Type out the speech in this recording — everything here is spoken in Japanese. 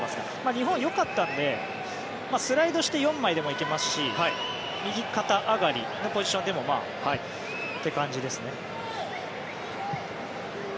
日本、よかったのでスライドして４枚でも行けますし右肩上がりのポジションでもという感じですね。